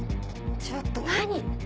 ちょっと何！